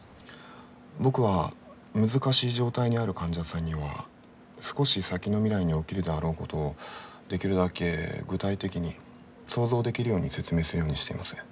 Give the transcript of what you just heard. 僕は難しい状態にある患者さんには少し先の未来に起きるであろうことをできるだけ具体的に想像できるように説明するようにしています。